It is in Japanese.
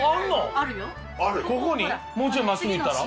あるもうちょいまっすぐ行ったら？